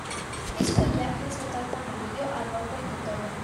El follaje se torna amarillo a rojo en otoño.